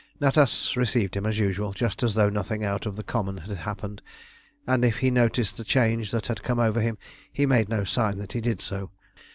Natas received him as usual, just as though nothing out of the common had happened; and if he noticed the change that had come over him, he made no sign that he did so.